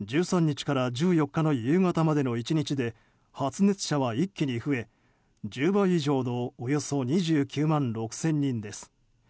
１３日から１４日の夕方までの１日で発熱者は一気に増え１０倍以上のおよそ２９万６０００人です。